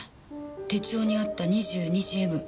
手帳にあった「２２時Ｍ」。